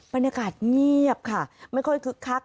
บรรยากาศเงียบค่ะไม่ค่อยคึกคัก